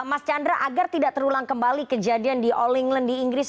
mas chandra agar tidak terulang kembali kejadian di all england di inggris